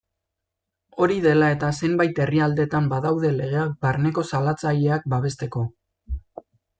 Hori dela-eta zenbait herrialdetan badaude legeak barneko salatzaileak babesteko.